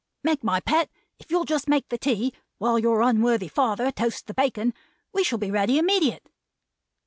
Meg my pet, if you'll just make the tea, while your unworthy father toasts the bacon, we shall be ready immediate.